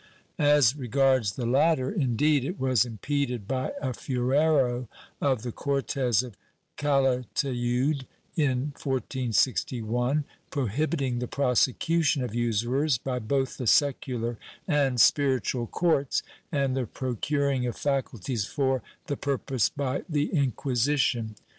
As regards the latter, indeed, it was impeded by a fuero of the Cortes of Calatayud, in 1461, prohibiting the prosecution of usurers, by both the secular and spiritual courts, and the procuring of faculties for the purpose by the Inquisition.